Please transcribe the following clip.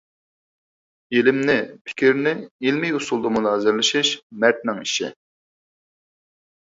ئىلىمنى، پىكىرنى ئىلىمىي ئۇسۇلدا مۇنازىرىلىشىش مەردنىڭ ئىشى.